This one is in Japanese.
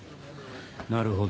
なるほど。